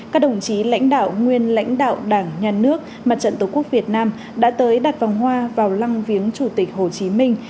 các đồng chí lãnh đạo nguyên lãnh đạo đảng nhà nước mặt trận tổ quốc việt nam đã tới đặt vòng hoa vào lăng viếng chủ tịch hồ chí minh